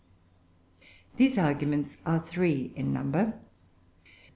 These arguments are three in number.